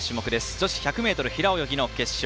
女子１００ｍ平泳ぎ決勝。